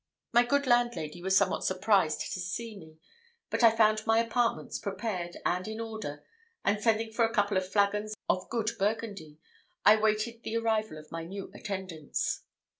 My good landlady was somewhat surprised to see me, but I found my apartments prepared, and in order; and sending for a couple of flagons of good Burgundy, I waited the arrival of my new attendants.